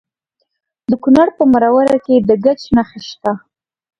د کونړ په مروره کې د ګچ نښې شته.